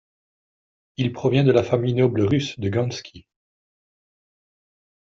Il provient de la famille noble russe de Ganskiy.